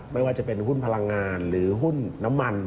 ไม่ว่าจะเป็นหุ้นพลังงานหรือหุ้นน้ำมัน